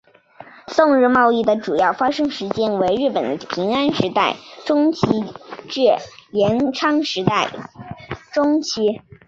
宋日贸易主要的发生时间为日本的平安时代中期至镰仓时代中期。